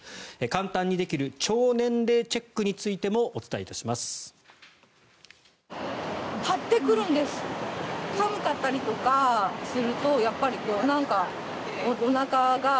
簡単にできる腸年齢チェックについてもお伝えいたします。